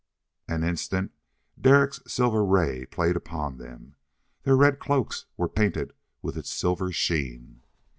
An instant. Derek's silver ray played upon them. Their red cloaks were painted with its silver sheen.